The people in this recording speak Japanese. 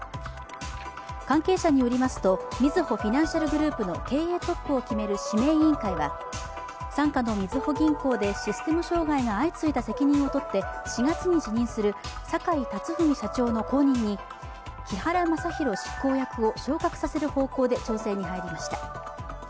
関係者によりますと、みずほフィナンシャルグループの経営トップを決める指名委員会は傘下のみずほ銀行でシステム障害が相次いだ責任を取って４月に辞任する坂井辰史社長の後任に木原正裕執行役を昇格させる方向で調整に入りました。